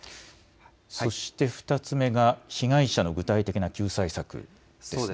そして２つ目が、被害者の具体的な救済策ですね。